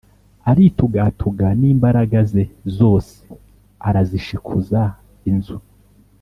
Aritugatuga n imbaraga ze zose arazishikuza inzu